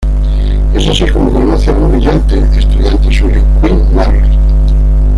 Es así como conoce a un brillante estudiante suyo, Quinn Mallory.